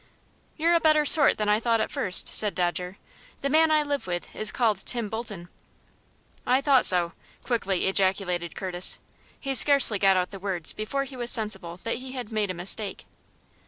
"You're a better sort than I thought at first," said Dodger. "The man I live with is called Tim Bolton." "I though so," quickly ejaculated Curtis. He had scarcely got out the words before he was sensible that he had made a mistake.